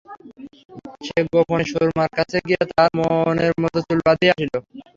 সে গােপনে সুরমার কাছে গিয়া তাহার মনের মত চুল বাঁধিয়া আসিল।